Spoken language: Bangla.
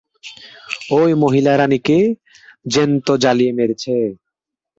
ওই মহিলা রানিকে জ্যান্ত জ্বালিয়ে মেরেছে।